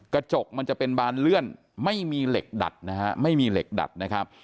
กระจกมันจะเป็นบานเลื่อนไม่มีเหล็กดัดนะฮะไม่มีเหล็กดัดนะครับ